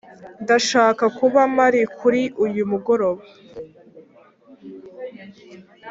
ndashaka kuba mpari kuri uyu mugoroba.